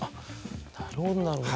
なるほどなるほど。